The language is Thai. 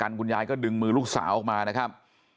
คุณยายก็ดึงมือลูกสาวออกมานะครับ